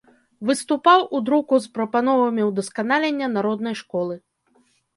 Выступаў у друку з прапановамі ўдасканалення народнай школы.